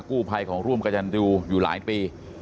กู้ไพรของร่วมกระจันทรีย์อยู่หลายปี